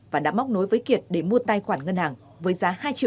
và đã móc nối với kiệt để mua tài khoản ngân hàng